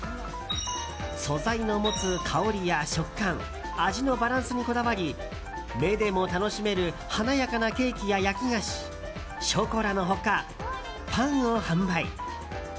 素材の持つ香りや食感味のバランスにこだわり目でも楽しめる華やかなケーキや焼き菓子ショコラの他、パンを販売。